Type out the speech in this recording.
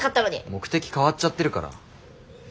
目的変わっちゃってるから。